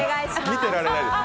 見てられないです